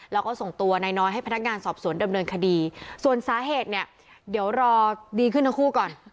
แล้วก็ส่งตัวนายน้อยให้พนักงานสอบสวนดำเนินคดีส่วนสาเหตุเนี่ยเดี๋ยวรอดีขึ้นทั้งคู่ก่อน